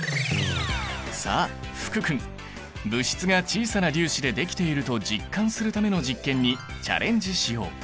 さあ福君物質が小さな粒子でできていると実感するための実験にチャレンジしよう！